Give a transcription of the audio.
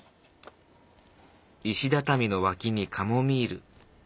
石畳の脇にカモミール。